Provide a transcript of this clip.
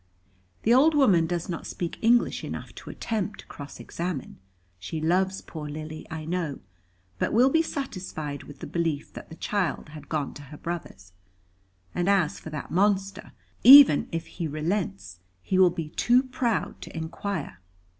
The old woman does not speak English enough to attempt to cross examine. She loves poor Lily, I know, but will be satisfied with the belief that the child had gone to her brother's. And as for that monster, even if he relents, he will be too proud to inquire."